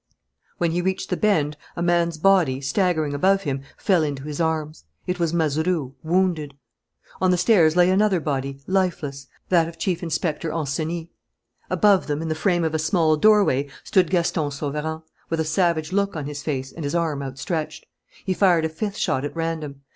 When he reached the bend, a man's body, staggering above him, fell into his arms: it was Mazeroux, wounded. On the stairs lay another body, lifeless, that of Chief Inspector Ancenis. Above them, in the frame of a small doorway, stood Gaston Sauverand, with a savage look on his face and his arm outstretched. He fired a fifth shot at random.